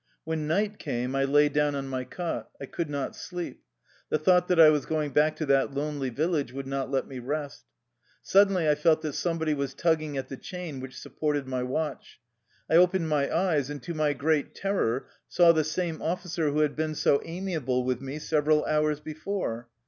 When night came I lay down on my cot. I could not sleep. The thought that I was going back to that lonely village would not let me rest. Suddenly I felt that somebody was tug ging at the chain which supported my watch. I opened my eyes, and to my great terror saw the same officer who had been so amiable with me several hours before.